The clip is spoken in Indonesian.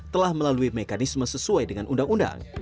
telah melalui mekanisme sesuai dengan undang undang